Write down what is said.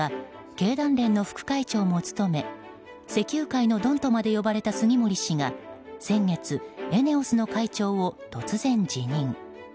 経団連の副会長も務め石油界のドンとまで言われた杉森氏が先月、ＥＮＥＯＳの会長を突然、辞任。